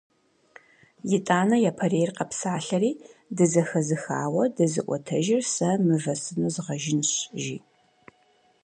Итӏанэ япэрейр къэпсалъэри: - Дызэхэзыхауэ дызыӏуэтэжыр сэ мывэ сыну згъэжынщ!- жи.